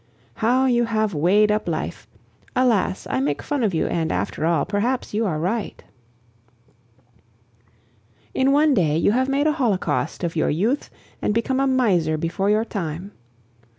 How you have weighed up life! Alas! I make fun of you, and, after all, perhaps you are right. In one day you have made a holocaust of your youth and become a miser before your time.